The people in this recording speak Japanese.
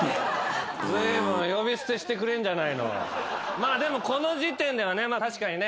まあでもこの時点では確かにね。